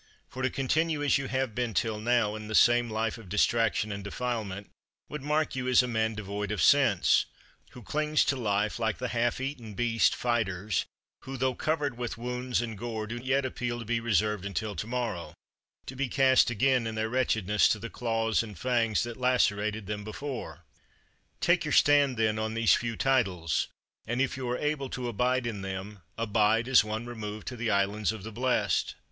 For to continue as you have been till now, in the same life of distraction and defilement, would mark you as a man devoid of sense, who clings to life like the half eaten beast fighters, who, though covered with wounds and gore, do yet appeal to be reserved until tomorrow, to be cast again in their wretchedness to the claws and fangs that lacerated them before. Take your stand then on these few titles; and if you are able to abide in them, abide, as one removed to the Islands of the Blest.